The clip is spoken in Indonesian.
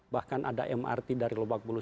bahkan ada mrt dari lobak bulu